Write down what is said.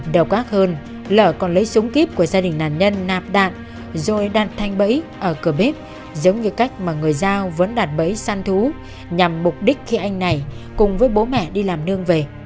đầu ác hơn lở còn lấy súng kíp của gia đình nạn nhân nạp đạn rồi đặt thanh bẫy ở cửa bếp giống như cách mà người giao vẫn đặt bẫy săn thú nhằm mục đích khi anh này cùng với bố mẹ đi làm nương về